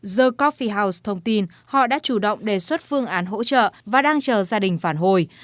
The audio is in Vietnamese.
the cophi house thông tin họ đã chủ động đề xuất phương án hỗ trợ và đang chờ gia đình phản hồi